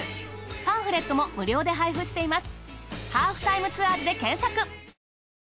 パンフレットも無料で配布しています。